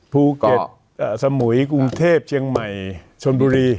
ภูเก็ตสมุยกรุงเทพเชียงใหม่ชนบุรี